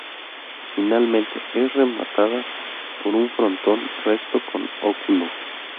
Finalmente es rematada por un frontón recto con óculo.